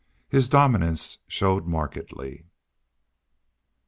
His dominance showed markedly.